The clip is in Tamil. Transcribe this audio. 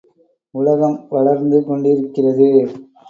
உலகம் வளர்ந்து கொண்டிருக்கிறது.